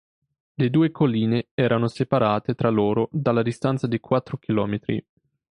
Le due colline erano separate tra loro dalla distanza di quattro chilometri.